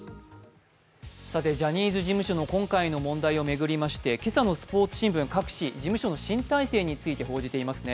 さて、ジャニーズ事務所の今回の問題を巡りまして、今朝の報道新聞各紙事務所の新体制について報じていますね。